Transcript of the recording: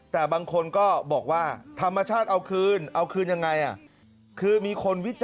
แต่บางคนก็บอกว่าธรรมชาติเอาคืนเอาคืนยังไง